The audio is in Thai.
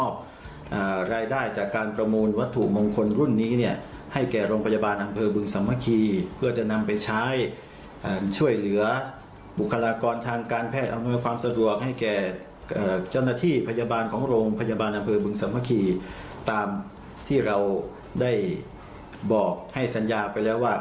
เพราะโรงพยาบาลอำเภอบึงสัมภาษีตามที่เราได้บอกให้สัญญาไปแล้วว่า